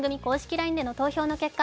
ＬＩＮＥでの投票の結果